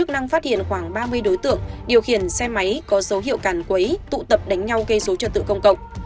phát hiện khoảng ba mươi đối tượng điều khiển xe máy có dấu hiệu càn quấy tụ tập đánh nhau gây số trật tự công cộng